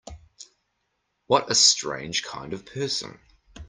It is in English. What a strange kind of person!